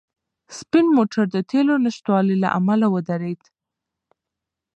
سپین موټر د تېلو د نشتوالي له امله ودرېد.